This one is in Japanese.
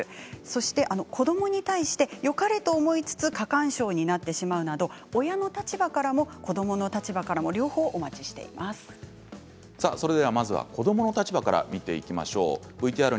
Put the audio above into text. そして子どもに対して、よかれと思いつつ過干渉になってしまうなど親の立場からも子どもの立場からもまず子どもの立場からです。